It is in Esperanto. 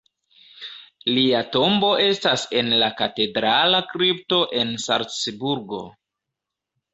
Lia tombo estas en la katedrala kripto en Salcburgo.